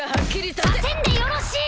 させんでよろしい！